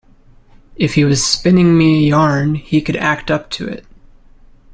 If he was spinning me a yarn he could act up to it.